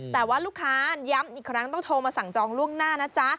แต่ว่าลูกค้าย้ำอีกครั้งต้องโทรมาสั่งจองล่วงหน้านะจ๊ะ